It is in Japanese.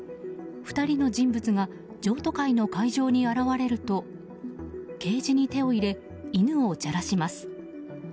２人の人物が譲渡会の会場に現れるとケージに手を入れ犬をじゃらします。